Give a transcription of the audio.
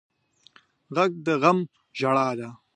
غږ د غم ژړا ده